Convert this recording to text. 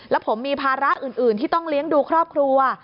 แล้วผมมีภาระอื่นที่ต้องเลี้ยงดูครอบครัว